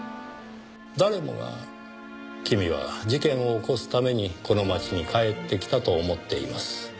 誰もが君は事件を起こすためにこの町に帰ってきたと思っています。